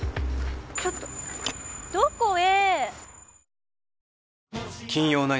ちょっとどこへ？